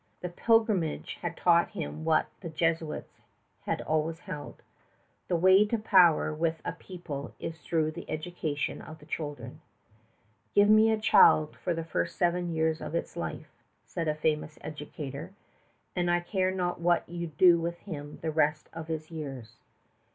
The pilgrimage had taught him what the Jesuits have always held the way to power with a people is through the education of the children. "Give me a child for the first seven years of its life," said a famous educator, "and I care not what you do with him the rest of his years."